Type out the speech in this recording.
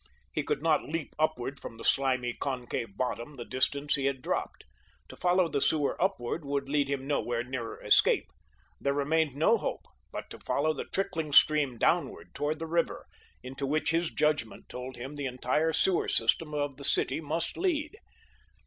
He could not leap upward from the slimy, concave bottom the distance he had dropped. To follow the sewer upward would lead him nowhere nearer escape. There remained no hope but to follow the trickling stream downward toward the river, into which his judgment told him the entire sewer system of the city must lead.